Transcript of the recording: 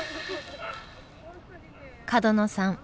角野さん